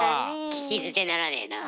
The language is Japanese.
聞き捨てならねえな。